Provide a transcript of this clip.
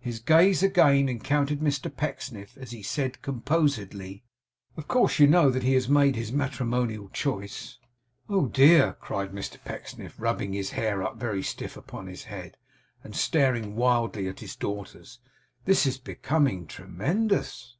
His gaze again encountered Mr Pecksniff, as he said, composedly: 'Of course you know that he has made his matrimonial choice?' 'Oh dear!' cried Mr Pecksniff, rubbing his hair up very stiff upon his head, and staring wildly at his daughters. 'This is becoming tremendous!